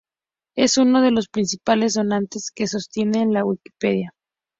Es uno de las principales donantes que sostienen la Wikipedia.